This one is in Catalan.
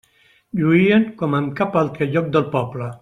Lluïen com en cap altre lloc del poble.